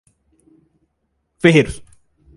Ferreiros